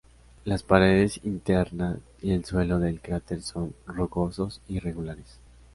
Las paredes internas y el suelo del cráter son rugosos e irregulares.